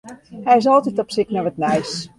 Hy is altyd op syk nei wat nijs.